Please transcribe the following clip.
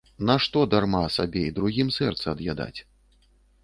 Нашто дарма сабе і другім сэрца ад'ядаць.